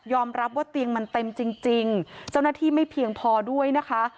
รับว่าเตียงมันเต็มจริงเจ้าหน้าที่ไม่เพียงพอด้วยนะคะ